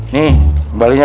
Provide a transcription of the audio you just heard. nih kembalinya empat